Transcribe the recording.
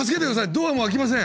ドアも開きません！